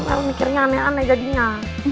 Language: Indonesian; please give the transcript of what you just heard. aku mikirnya aneh aneh jadinya